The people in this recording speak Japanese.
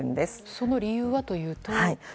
その理由はというと？